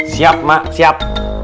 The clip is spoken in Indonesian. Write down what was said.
siap mak siap